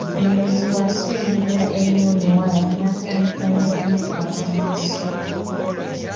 Omulenzi bw’asemberera ennyo omuwala n’atandika n’okumukwata mu kiseke.